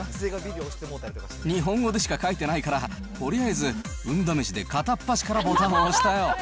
日本語でしか書いてないから、とりあえず運試しで片っ端からボタンを押したよ。